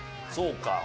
そうか。